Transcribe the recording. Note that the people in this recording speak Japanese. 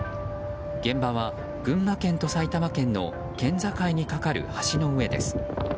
現場は群馬県と埼玉県の県境に架かる橋の上です。